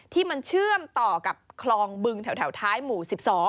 ที่มันเชื่อมต่อกับคลองบึงแถวท้ายหมู่๑๒